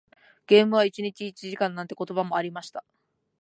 ゲームは一日一時間なんて言葉もありました。